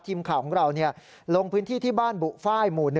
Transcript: ทีมข่าวของเราลงพื้นที่ที่บ้านบุฟ้ายหมู่๑